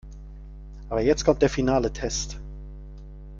Aber jetzt kommt der finale Test.